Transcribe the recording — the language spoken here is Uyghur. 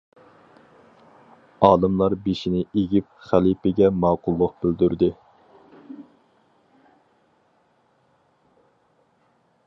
ئالىملار بېشىنى ئېگىپ خەلىپىگە ماقۇللۇق بىلدۈردى.